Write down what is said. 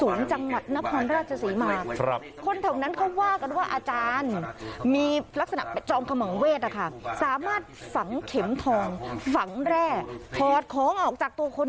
ว่าสมภาระจูตมหมากกับผู้จัดการปฏิเสธประธรรมันปฏิเสธรักษาทางประสิทธิ